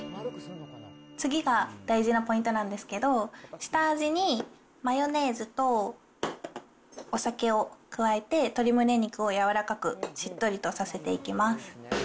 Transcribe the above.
次が大事なポイントなんですけど、下味にマヨネーズと、お酒を加えて、鶏むね肉を柔らかく、しっとりとさせていきます。